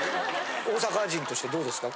大阪人としてどうですか？